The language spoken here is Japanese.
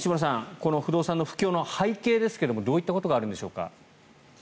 この不動産の不況の背景ですがどういったことがあるんでしょうか？